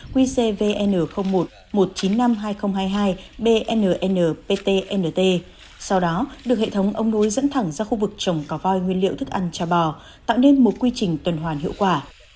qcvn một một triệu chín trăm năm mươi hai nghìn hai mươi hai bnn ptnt sau đó được hệ thống ông đối dẫn thẳng ra khu vực trồng cò voi nguyên liệu thức ăn trà bò tạo nên một quy trình tuần hoàn hiệu quả